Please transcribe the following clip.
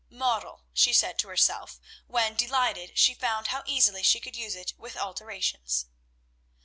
"Model," she said to herself when, delighted, she found how easily she could use it with alterations.